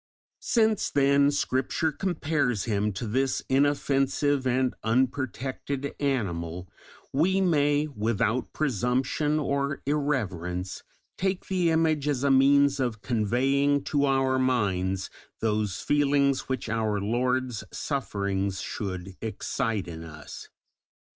Since then Scripture compares Him to this inoffensive and unprotected animal, we may, without presumption or irreverence, take the image as a means of conveying to our minds those feelings which our Lord's sufferings should excite in us.